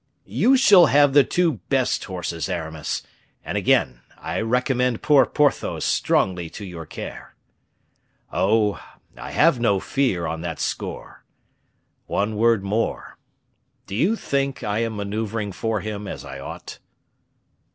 "You shall have the two best horses, Aramis; and again I recommend poor Porthos strongly to your care." "Oh! I have no fear on that score. One word more: do you think I am maneuvering for him as I ought?"